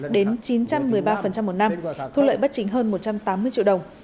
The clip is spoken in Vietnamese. đến chín trăm một mươi ba một năm thu lợi bất chính hơn một trăm tám mươi triệu đồng